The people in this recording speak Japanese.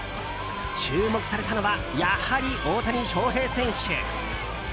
注目をされたのはやはり大谷翔平選手。